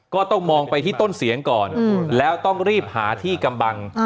ก็ต้องมองไปที่ต้นเสียงก่อนแล้วต้องรีบหาที่กำบัง